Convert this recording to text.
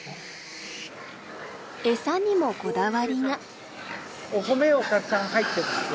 エサにもこだわりが。